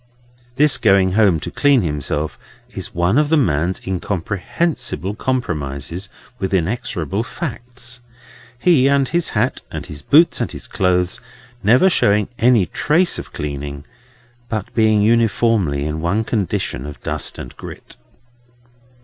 This going home to clean himself is one of the man's incomprehensible compromises with inexorable facts; he, and his hat, and his boots, and his clothes, never showing any trace of cleaning, but being uniformly in one condition of dust and grit.